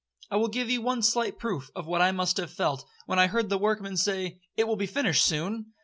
I will give you one slight proof of what I must have felt, when I heard the workmen say, 'It will be finished soon.'